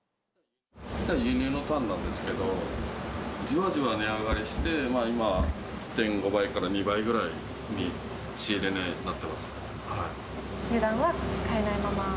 輸入のタンなんですけれど、じわじわ値上がりして、今、１．５倍から２倍ぐらいに、値段は変えないまま？